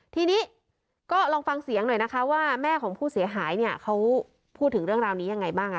ทีนี้ก็ลองฟังเสียงหน่อยนะคะว่าแม่ของผู้เสียหายเนี่ยเขาพูดถึงเรื่องราวนี้ยังไงบ้าง